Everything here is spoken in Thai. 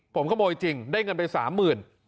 ผมขโมยจริงได้เงินไป๓๐๐๐บาท